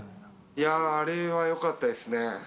いやー、あれはよかったですね。